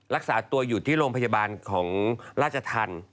รักษาตัวอยู่ที่โรงพยาบาลของราชธรรม